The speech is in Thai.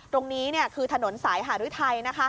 ตรงนี้คือถนนสายหาด้วยไทย